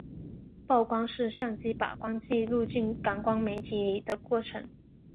曝光是相机把光记录进感光媒体里的过程。